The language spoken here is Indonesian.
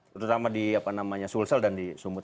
terutama di sulsel dan di sumut